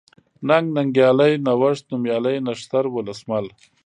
ننگ ، ننگيالی ، نوښت ، نوميالی ، نښتر ، ولسمل